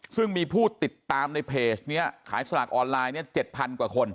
ซึ่งมีผู้ติดตามในเพจนี้ขายสลากออนไลน์เนี่ย๗๐๐กว่าคน